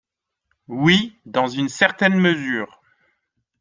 Oui, dans une certaine mesure.